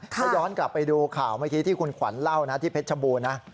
ถ้าย้อนกลับไปดูข่าวเมื่อกี้ที่คุณขวัญเล่านะที่เพชรชบูรณนะ